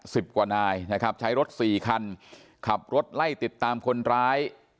สิบกว่านายนะครับใช้รถสี่คันขับรถไล่ติดตามคนร้าย